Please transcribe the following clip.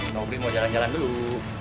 nobri mau jalan jalan dulu